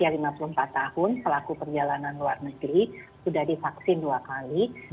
usia lima puluh empat tahun pelaku perjalanan luar negeri sudah divaksin dua kali